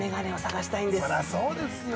◆そりゃあそうですよ。